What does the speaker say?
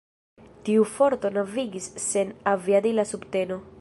Tiu forto navigis sen aviadila subteno.